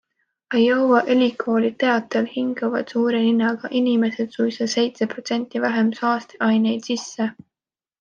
Iowa ülikooli teatel hingavad suure ninaga inimesed suisa seitse protsenti vähem saasteaineid sisse.